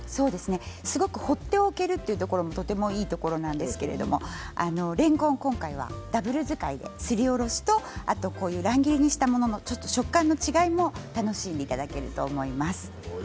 すごく放っておけるというところもいいところなんですけれどれんこんを今回はダブル使いですりおろしと乱切りしたもの食感の違いを楽しんでいただけると思います。